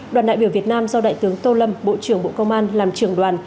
đoàn đại biểu việt nam do đại tướng tô lâm bộ trưởng bộ công an làm trưởng đoàn